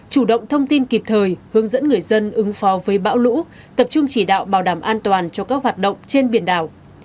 chủ động thông tin kịp thời hướng dẫn người dân ứng phó với bão lũ tập trung chỉ đạo bảo đảm an toàn cho các hoạt động trên biển đảo